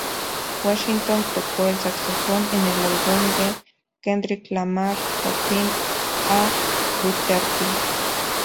Washington tocó el saxofón en el álbum de Kendrick Lamar "To Pimp a Butterfly".